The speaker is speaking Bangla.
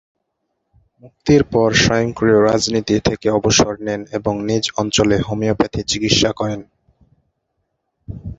মুক্তির পর সক্রিয় রাজনীতি থেকে অবসর নেন এবং নিজ অঞ্চলে হোমিওপ্যাথি চিকিৎসা করেন।